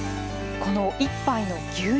この一杯の牛乳。